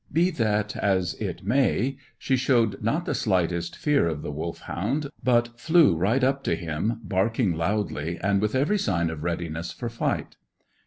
Be that as it may, she showed not the slightest fear of the Wolfhound, but flew right up to him, barking loudly, and with every sign of readiness for fight.